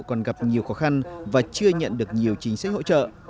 còn gặp nhiều khó khăn và chưa nhận được nhiều chính sách hỗ trợ